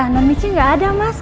no mici gak ada mas